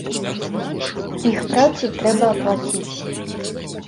Іх працу трэба аплаціць.